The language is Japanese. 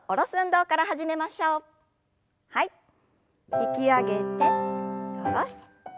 引き上げて下ろして。